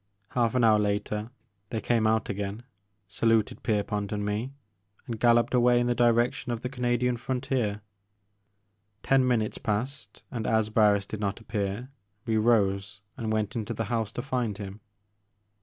Half an hour later they came out again, saluted Pierpont and me, and galloped away in the direc tion of the Canadian frontier. Ten minutes passed, and, as Barris did not appear, we rose and went into the house, to find him.